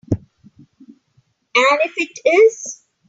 And if it is?